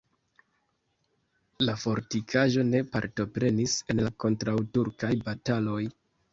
La fortikaĵo ne partoprenis en la kontraŭturkaj bataloj.